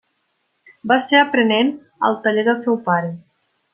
Va ser aprenent al taller del seu pare.